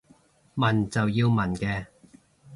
問就要問嘅